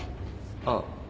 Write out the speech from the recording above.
ああ。